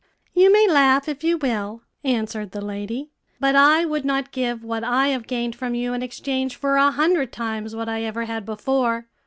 "You may laugh if you will," answered the lady; "but I would not give what I have gained from you in exchange for a hundred times what I ever had before.